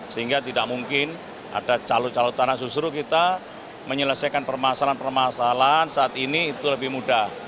sehingga tidak mungkin ada calon calon tanah susu kita menyelesaikan permasalahan permasalahan saat ini itu lebih mudah